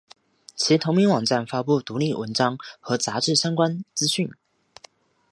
其同名网站发布独立文章和杂志相关资讯。